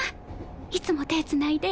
いつも手繋いで。